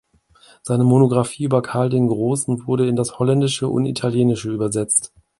Seine Monographie über Karl den Großen wurde in das Holländische und Italienische übersetzt.